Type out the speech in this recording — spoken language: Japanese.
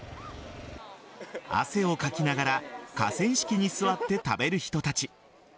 汗をかきながら河川敷に座って食べる人たち。